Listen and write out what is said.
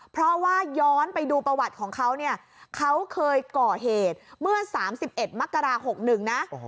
เพราะว่าย้อนไปดูประวัติของเขาเนี่ยเขาเคยก่อเหตุเมื่อ๓๑มกรา๖๑นะ